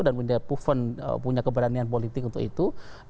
dan punya keberanian politik untuk itu